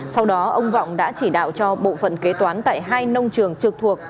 sau đó ông vọng đã chỉ đạo cho bộ phận kế toán tại hai nông trường trực thuộc